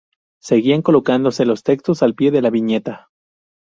Seguían colocándose los textos al pie de la viñeta.